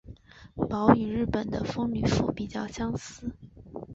褓与日本的风吕敷比较相似。